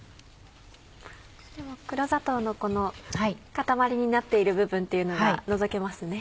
黒砂糖の塊になっている部分っていうのがのぞけますね。